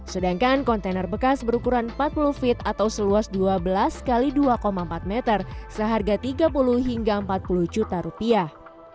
sedangkan kontainer bekas berukuran empat puluh feet atau seluas dua belas x dua empat meter seharga tiga puluh hingga empat puluh juta rupiah